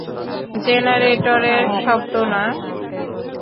জেনারেটরের শব্দ না?